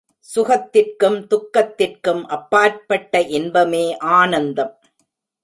சுகத்திற்கும், துக்கத்திற்கும் அப்பாற்பட்ட இன்பமே ஆனந்தம்.